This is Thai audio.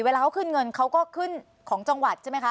เวลาเขาขึ้นเงินเขาก็ขึ้นของจังหวัดใช่ไหมคะ